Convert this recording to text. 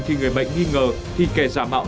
khi người bệnh nghi ngờ thì kẻ giả mạo